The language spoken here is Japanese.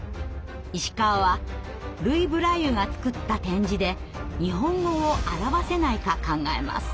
石川はルイ・ブライユが作った点字で日本語を表せないか考えます。